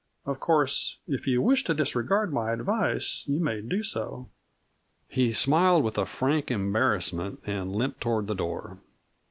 Of course, if you wish to disregard my advice you may do so." He smiled with a frank embarrassment and limped toward the door.